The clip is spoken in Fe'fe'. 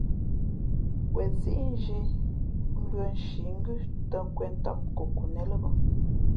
Wen síʼ nzhī mbʉ̄ᾱ nshǐ ngʉ́ tᾱ^nkwēn ntám kokonet lά bᾱ.